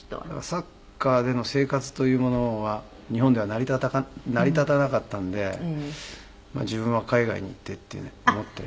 サッカーでの生活というものは日本では成り立たなかったんで自分は海外に行ってって思って。